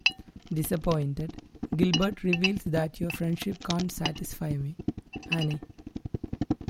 Disappointed, Gilbert reveals that your friendship can't satisfy me, Anne.